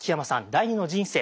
第２の人生。